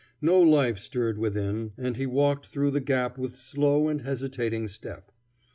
No life stirred within, and he walked through the gap with slow and hesitating step.